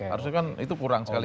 harusnya kan itu kurang sekali